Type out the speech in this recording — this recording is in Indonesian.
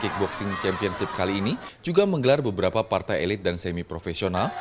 kickboxing championship kali ini juga menggelar beberapa partai elit dan semi profesional